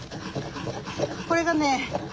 これがね